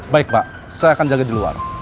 baik pak saya akan jaga di luar